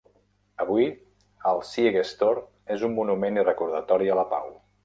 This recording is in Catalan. Avui, el Siegestor és un monument i recordatori a la pau.